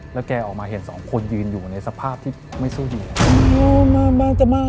แล้วแกออกมาเห็นสองคนยืนอยู่ในสภาพที่ไม่สู้อยู่